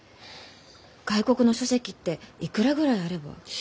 外国の書籍っていくらぐらいあれば？